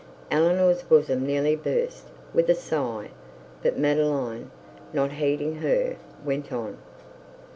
Eleanor's bosom nearly burst with a sigh; but Madeline, not heeding her, went on.